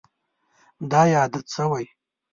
دا یې عادت شوی.